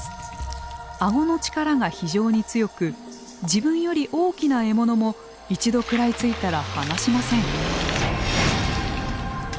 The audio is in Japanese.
顎の力が非常に強く自分より大きな獲物も一度食らいついたら離しません。